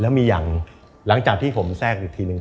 แล้วมีอย่างหลังจากที่ผมแทรกอีกทีนึง